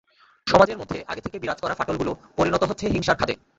সমাজের মধ্যে আগে থেকে বিরাজ করা ফাটলগুলো পরিণত হচ্ছে হিংসার খাদে।